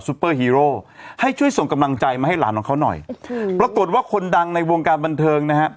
เปอร์ฮีโร่ให้ช่วยส่งกำลังใจมาให้หลานของเขาหน่อยปรากฏว่าคนดังในวงการบันเทิงนะฮะ